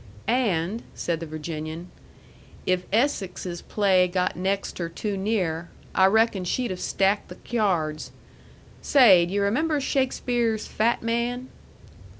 "And," said the Virginian, "if Essex's play got next her too near, I reckon she'd have stacked the cyards. Say, d' yu' remember Shakespeare's fat man?"